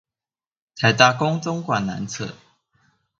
臺大工綜館南側